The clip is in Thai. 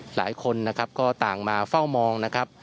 หลายคนนะครับก็ต่างมาเฝ้ามองนะครับ